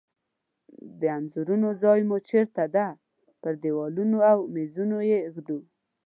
د انځورونو ځای مو چیرته ده؟ په دیوالونو او میزونو یی ایږدو